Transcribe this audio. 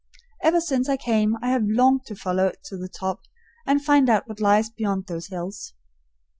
Ever since I came I have longed to follow it to the top and find out what lies beyond those hills.